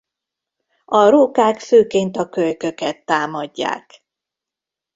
A rókák főként a kölyköket támadják.